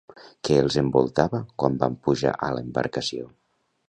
Què els envoltava quan van pujar a l'embarcació?